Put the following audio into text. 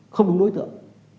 không đúng đối tượng